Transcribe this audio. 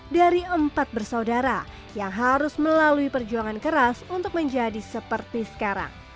dari empat bersaudara yang harus melalui perjuangan keras untuk menjadi seperti sekarang